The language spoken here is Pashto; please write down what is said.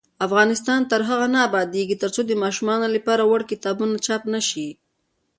افغانستان تر هغو نه ابادیږي، ترڅو د ماشومانو لپاره وړ کتابونه چاپ نشي.